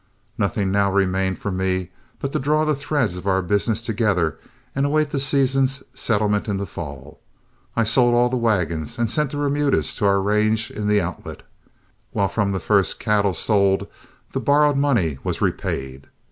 Nothing now remained for me but to draw the threads of our business together and await the season's settlement in the fall. I sold all the wagons and sent the remudas to our range in the Outlet, while from the first cattle sold the borrowed money was repaid.